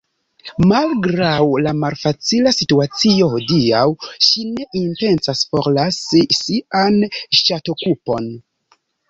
Malgraŭ la malfacila situacio hodiaŭ ŝi ne intencas forlasi sian ŝatokupon.